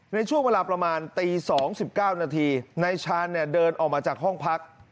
ในช่วงเวลาประมาณตี๒๙นาทีนายชาญเดินออกมาจากห้องพัก